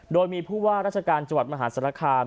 โดยมีผู้ว่าราชการจังหวัดมหาศาลคาม